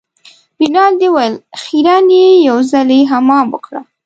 رینالډي وویل خیرن يې یو ځلي حمام وکړه.